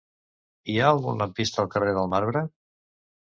Hi ha algun lampista al carrer del Marbre?